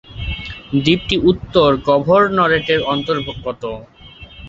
দ্বীপটি উত্তর গভর্নরেটের অন্তর্গত।